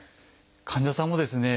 患者さんもですね